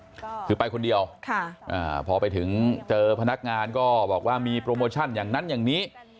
คือไปคนเดียวค่ะอ่าพอไปถึงเจอพนักงานก็บอกว่ามีโปรโมชั่นอย่างนั้นอย่างนี้